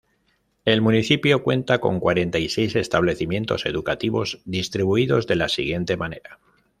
El Municipio cuenta con cuarenta y seis establecimientos educativos distribuidos de la siguiente manera.